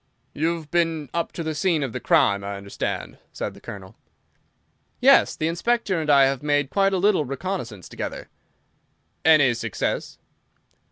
"You have been up to the scene of the crime, I understand," said the Colonel. "Yes; the Inspector and I have made quite a little reconnaissance together." "Any success?"